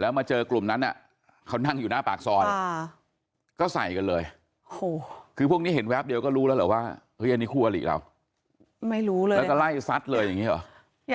แล้วมาเจอกลุ่มนั้นเขานั่งอยู่หน้าปากซอย